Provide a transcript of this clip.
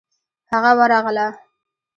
هغه ورغله.